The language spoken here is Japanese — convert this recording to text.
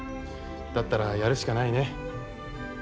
だったらやるしかないね。